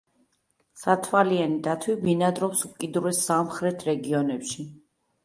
სათვალიანი დათვი ბინადრობს უკიდურეს სამხრეთ რეგიონებში.